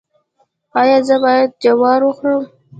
ایا زه باید جوار وخورم؟